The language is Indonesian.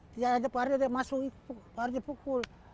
dia ada pariwisata masuk baru dia pukul